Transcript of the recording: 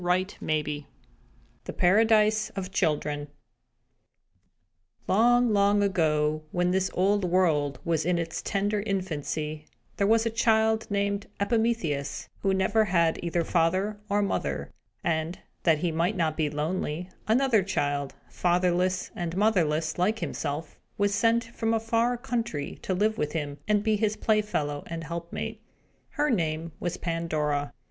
CHAPTER VIII THE PARADISE OF CHILDREN Long, long ago, when this old world was in its tender infancy, there was a child, named Epimetheus, who never had either father or mother; and, that he might not be lonely, another child, fatherless and motherless like himself, was sent from a far country, to live with him, and be his playfellow and helpmate. Her name was Pandora.